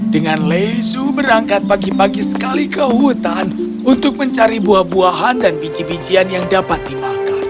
dengan lezu berangkat pagi pagi sekali ke hutan untuk mencari buah buahan dan biji bijian yang dapat dimakan